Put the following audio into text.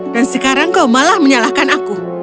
dan sekarang kau malah menyalahkan aku